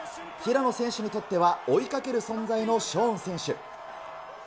平野選手にとっては追いかける存在のショーン選手。